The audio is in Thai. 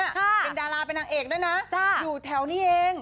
เป็นดาราเป็นนางเอกด้วยนะอยู่แถวนี้เอง